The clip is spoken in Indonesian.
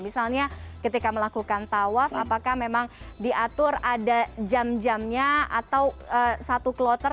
misalnya ketika melakukan tawaf apakah memang diatur ada jam jamnya atau satu kloter